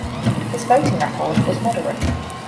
His voting record was moderate.